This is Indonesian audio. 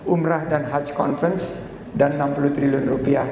umrah dan health conference dan rp enam puluh triliun